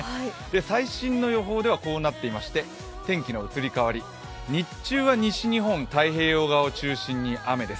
最新の予報ではこうなっていまして、天気の移り変わり、日中は西日本、太平洋側を中心に雨です。